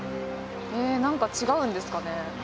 なんか違うんですかね？